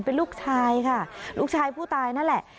เป็นลูกชายค่ะลูกชายผู้ตายนั่นแหละ